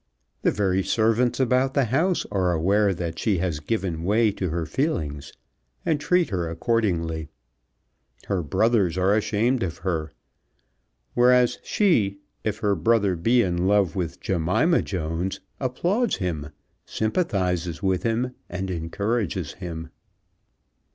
The very servants about the house are aware that she has given way to her feelings, and treat her accordingly. Her brothers are ashamed of her. Whereas she, if her brother be in love with Jemima Jones, applauds him, sympathizes with him, and encourages him.